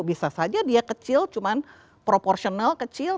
bisa saja dia kecil cuma proporsional kecil